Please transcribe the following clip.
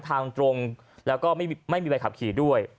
ทางตรงแล้วก็ไม่มีใบขับขี่ด้วย